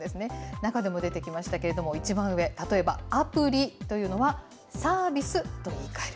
中でも出てきましたけれども、一番上、例えば、アプリというのは、サービスと言い換える。